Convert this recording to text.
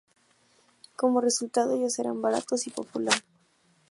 Como resultado, ellos eran baratos y popular.